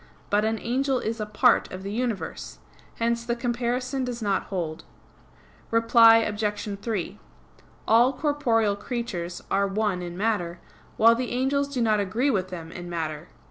But an angel is a part of the universe. Hence the comparison does not hold. Reply Obj. 3: All corporeal creatures are one in matter; while the angels do not agree with them in matter.